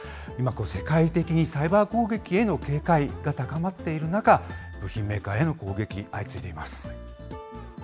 今、世界的にサイバー攻撃への警戒が高まっている中、部品メーカーへの攻撃、相次いでいます。